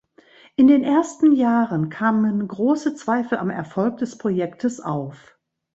In den ersten Jahren kamen große Zweifel am Erfolg des Projektes auf.